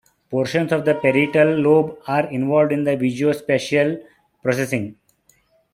Portions of the parietal lobe are involved with visuospatial processing.